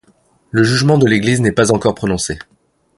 Le jugement de l’Église n'est pas encore prononcé.